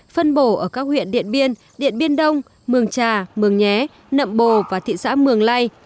phân bổ ở các huyện điện biên điện biên đông mường trà mường nhé nậm bồ và thị xã mường lây